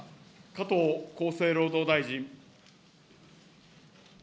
加藤厚生労働大臣。